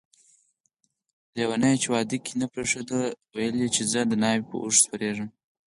لیونی چا واده کی نه پریښود ده ويل چي زه دناوی په اوښ سپریږم